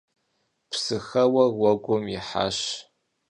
Псыхэуэр уэгум ихьащ.